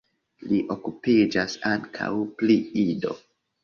Li okupiĝas ankaŭ pri Ido.